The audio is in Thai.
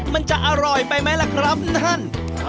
มันจะอร่อยไปไหมล่ะครับนั่น